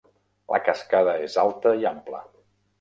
La cascada és alta i ampla.